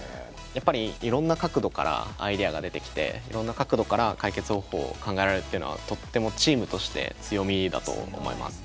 やっぱりいろんな角度からアイデアが出てきていろんな角度から解決方法を考えられるというのはとってもチームとして強みだと思います。